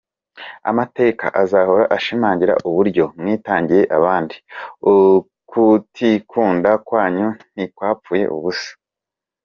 Amateka azahora ashimangira uburyo mwitangiye abandi; ukutikunda kwanyu ntikwapfuye ubusa.